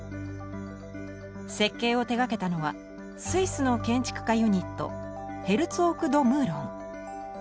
設計を手がけたのはスイスの建築家ユニットヘルツォーク＆ド・ムーロン。